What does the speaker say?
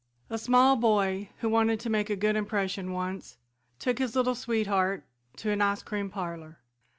PREFACE A small boy who wanted to make a good impression once took his little sweetheart to an ice cream parlor.